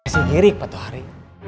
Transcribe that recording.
sendiri patuh hari